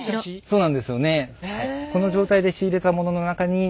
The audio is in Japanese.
そうなんですよね。